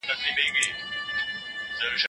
اسلام د انسانانو پير او پلور منع کړ.